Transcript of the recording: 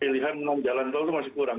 pilihan jalan tol itu masih kurang